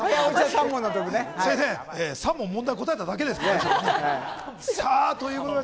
３問、問題を答えただけですね。